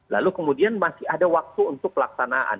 lalu kemudian masih ada waktu untuk pelaksanaan